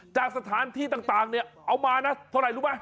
จากสถานที่ต่างเนี่ยเอามานะเท่าไหร่รู้ไหม